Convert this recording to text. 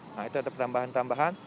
nah itu ada pertambahan tambahan